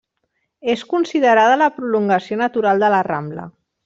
És considerada la prolongació natural de la Rambla.